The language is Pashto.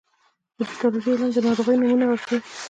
د پیتالوژي علم د ناروغیو نومونه ورکوي.